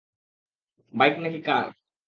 Bike নাকি কার?